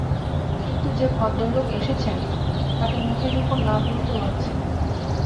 কিন্তু যে ভদ্রলোক এসেছেন, তাঁকে মুখের ওপর না বলতেও বাধছে।